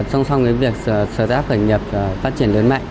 song song với việc sở tác khởi nghiệp phát triển lớn mạnh